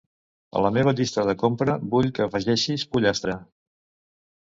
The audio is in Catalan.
A la meva llista de la compra vull que afeixis pollastre.